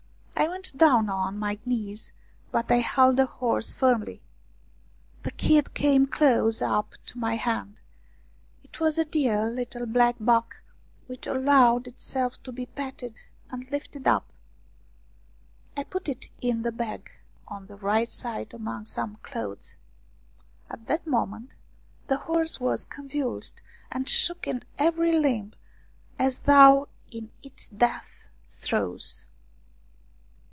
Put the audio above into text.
I went down on my knees, but I held the horse firmly. The kid came close up to my hand. It was a dear little black buck which allowed itself to be petted and lifted up. I put it in the bag on the right side among some clothes. At that moment the horse was convulsed and shook in every limb as though in its death throes.